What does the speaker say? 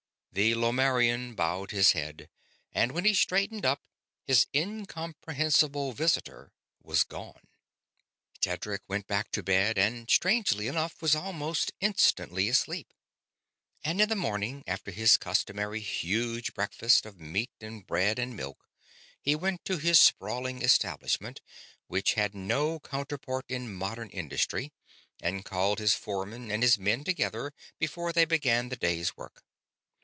The Lomarrian bowed his head, and when he straightened up his incomprehensible visitor was gone. Tedric went back to bed; and, strangely enough, was almost instantly asleep. And in the morning, after his customary huge breakfast of meat and bread and milk, he went to his sprawling establishment, which has no counterpart in modern industry, and called his foreman and his men together before they began the day's work.